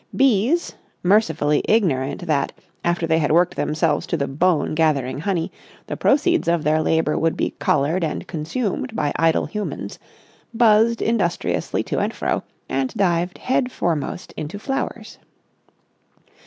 Bees, mercifully ignorant that, after they had worked themselves to the bone gathering honey, the proceeds of their labour would be collared and consumed by idle humans, buzzed industriously to and fro and dived head foremost into flowers.